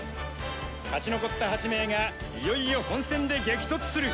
勝ち残った８名がいよいよ本戦で激突する。